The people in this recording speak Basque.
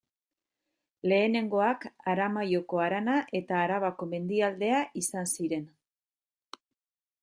Lehenengoak Aramaioko harana eta Arabako Mendialdea izan ziren.